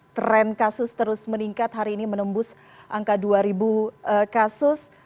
tren kasus terus meningkat hari ini menembus angka dua kasus